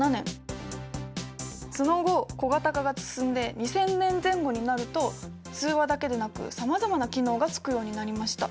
その後小型化が進んで２０００年前後になると通話だけでなくさまざまな機能がつくようになりました。